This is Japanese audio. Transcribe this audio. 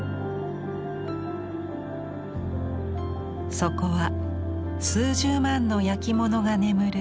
そこは数十万の焼き物が眠る